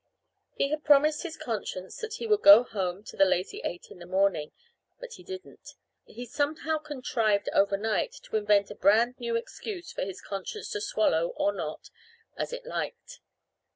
He had promised his conscience that he would go home to the Lazy Eight in the morning, but he didn't; he somehow contrived, overnight, to invent a brand new excuse for his conscience to swallow or not, as it liked.